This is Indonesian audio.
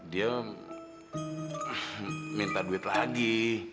dia minta duit lagi